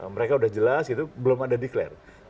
mereka udah jelas gitu belum ada declare